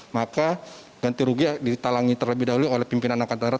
maka ganti rugi ditalangi terlebih dahulu oleh pimpinan angkatan darat